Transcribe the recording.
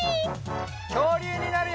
きょうりゅうになるよ！